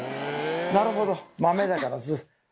なるほど豆だから「ず」。